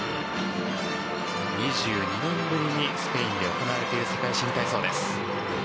２２年ぶりにスペインで行われている世界新体操です。